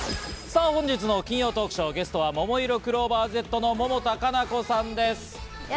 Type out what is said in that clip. さぁ、本日の金曜トークショー、ゲストはももいろクローバーＺの百田夏菜子さんです。